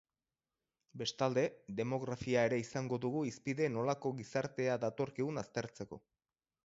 Bestalde, demografia ere izango dugu hizpide nolako gizartea datorkigun aztertzeko.